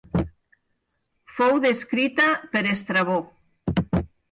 Fou descrita per Estrabó.